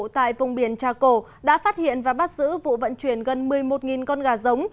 tại vùng biển trà cổ đã phát hiện và bắt giữ vụ vận chuyển gần một mươi một con gà giống